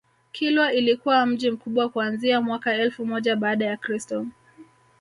Kilwa ilikuwa mji mkubwa kuanzia mwaka elfu moja baada ya Kristo